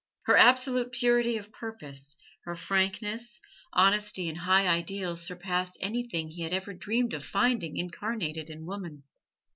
Her absolute purity of purpose, her frankness, honesty and high ideals surpassed anything he had ever dreamed of finding incarnated in woman.